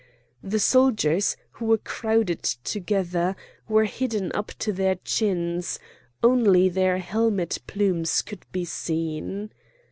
The soldiers, who were crowded together, were hidden up to their chins; only their helmet plumes could be seen.